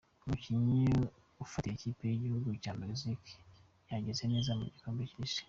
Umukinnyi ufatira ikipe y’igihugu cya Mexique yahagaze neza mu gikombe cy’isi.